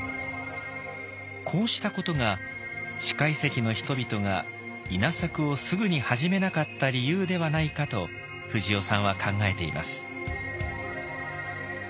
こうしたことが四箇遺跡の人々が稲作をすぐに始めなかった理由ではないかと藤尾さんは考えています。